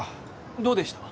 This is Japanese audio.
どうでした？